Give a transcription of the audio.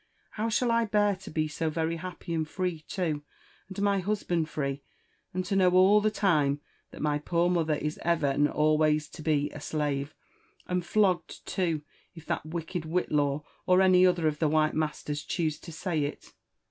«How shall I bear to be so very happy and free too, and my husband free, and to know all the time that my poor mother is ever and always to be a slave, and flogged too, if that wicked Whitlaw, or any other of the white masters, chdose to say it!